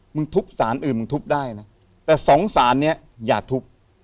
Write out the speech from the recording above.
มึงทุบสารอื่นมึงทุบได้นะแต่สองสารเนี้ยอย่าทุบ